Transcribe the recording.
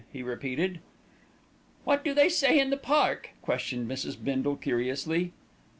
he repeated. "What do they say in the park?" questioned Mrs. Bindle curiously.